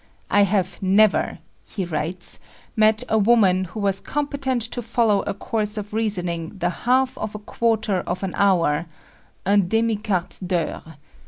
"I have never," he writes, "met a woman who was competent to follow a course of reasoning the half of a quarter of an hour un demi quart d'heure.